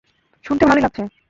শুনতে ভালোই লাগছে!